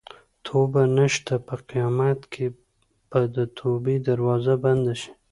توبه نشته په قیامت کې به د توبې دروازه بنده شي.